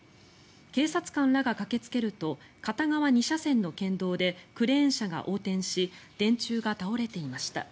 警察官らが駆けつけると片側２車線の県道でクレーン車が横転し電柱が倒れていました。